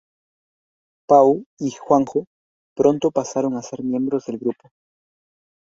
Pau y Juanjo pronto pasaron a ser miembros del grupo.